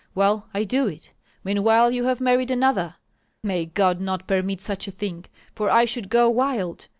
Well, I do it; meanwhile you have married another. May God not permit such a thing, for I should go wild.